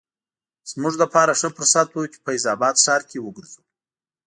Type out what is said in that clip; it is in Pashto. زموږ لپاره ښه فرصت و چې فیض اباد ښار کې وګرځو.